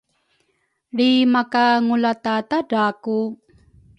lri maka ngulatatadra ku?